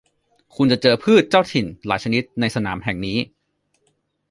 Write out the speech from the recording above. คุณจะเจอพืชเจ้าถิ่นหลายชนิดในสนามแห่งนี้